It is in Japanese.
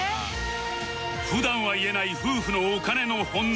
普段は言えない夫婦のお金のホンネ